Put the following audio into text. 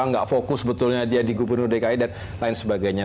nggak fokus sebetulnya dia di gubernur dki dan lain sebagainya